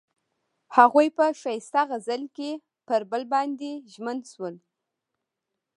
هغوی په ښایسته غزل کې پر بل باندې ژمن شول.